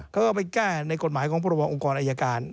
เค้าก็ไปแก้ในกฎหมายของภพรบพันธุ์องค์อัยการ